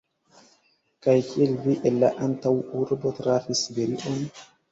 Kaj kiel vi el la antaŭurbo trafis Siberion?